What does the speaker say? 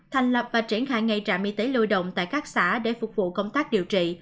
thành lập và triển khai ngay trạm y tế lưu động tại các xã để phục vụ công tác điều trị